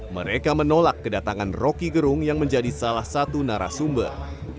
mereka menolak kedatangan roky gerung yang menjadi salah satu narasumber